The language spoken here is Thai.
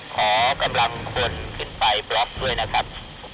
ขอกำลังคนขึ้นไปบล็อกด้วยนะครับ